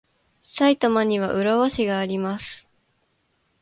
埼玉には浦和市があります。